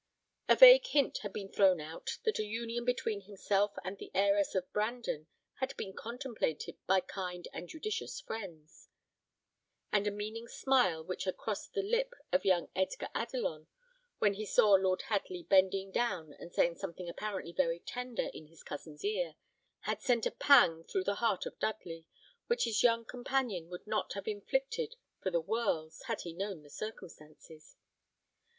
A vague hint had been thrown out that a union between himself and the heiress of Brandon had been contemplated by kind and judicious friends; and a meaning smile which had crossed the lip of young Edgar Adelon, when he saw Lord Hadley bending down and saying something apparently very tender in his cousin's ear, had sent a pang through the heart of Dudley, which his young companion would not have inflicted for worlds had he known the circumstances.